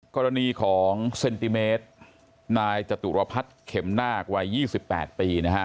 กรณีของเซนติเมตรนายจตุรพัฒน์เข็มนาควัย๒๘ปีนะฮะ